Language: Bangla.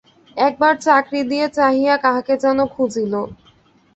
একবার চারি দিকে চাহিয়া কাহাকে যেন খুঁজিল।